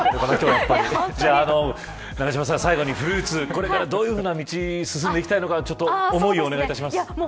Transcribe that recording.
永島さん、これからフルーツどのような道に進んでいきたいのか思いをお願いします。